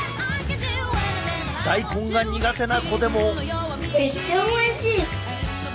大根が苦手な子でも。